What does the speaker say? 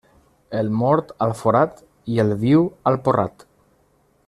El mort al forat i el viu al porrat.